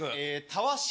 「たわし」。